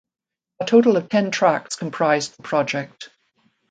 A total of ten tracks comprised the project.